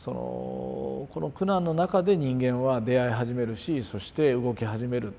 この苦難の中で人間は出会い始めるしそして動き始めるっていうのをね